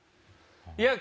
いや。